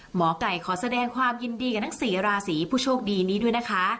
หมอไก่ขอแสดงความยินดีกับทั้ง๔ราศีผู้โชคดีนี้ด้วยนะคะ